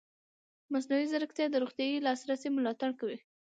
مصنوعي ځیرکتیا د روغتیايي لاسرسي ملاتړ کوي.